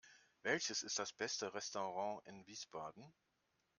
Welches ist das beste Restaurant in Wiesbaden?